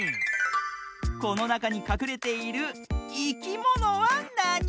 このなかにかくれているいきものはなに？